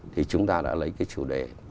thì chúng ta đã lấy cái chủ đề là